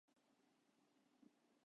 期末資本